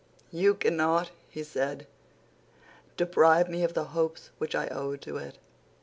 "You cannot," he said, "deprive me of the hopes which I owe to it."